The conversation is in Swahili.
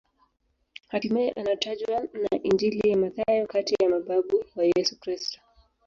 Hatimaye anatajwa na Injili ya Mathayo kati ya mababu wa Yesu Kristo.